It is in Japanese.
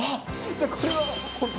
これは本当？